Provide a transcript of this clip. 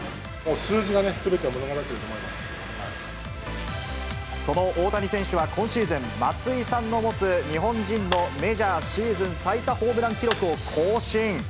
数字がね、その大谷選手は今シーズン、松井さんの持つ日本人のメジャーシーズン最多ホームラン記録を更新。